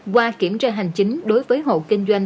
qua kiểm tra hành chính đối với hộ kinh doanh